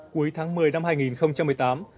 cuối tháng một mươi năm hai nghìn một mươi tám